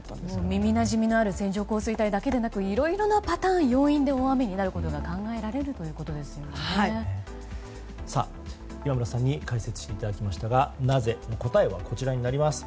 耳なじみのある線状降水帯だけでなくいろいろなパターン、要因で大雨になることが考えられるということですね今村さんに解説していただきましたが答えはこちらです。